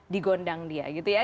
digondang dia gitu ya